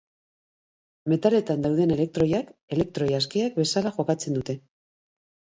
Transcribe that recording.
Metaletan dauden elektroiak, elektroi askeak bezala jokatzen dute.